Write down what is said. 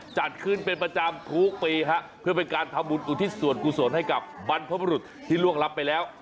จัดขึ้นเป็นประจำทุกปีฮะเพื่อเป็นการทำบุญอุทิศส่วนกุศลให้กับบรรพบรุษที่ล่วงรับไปแล้ว